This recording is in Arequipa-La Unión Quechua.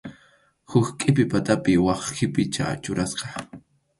Huk qʼipi patapi wak qʼipicha churasqa.